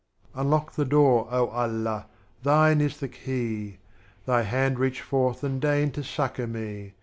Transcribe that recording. Unlock the Door, Oh Allah, Thine is the Key, Thy Hand reach forth and deign to succor me.